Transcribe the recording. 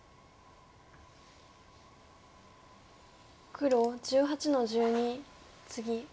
黒１８の十二ツギ。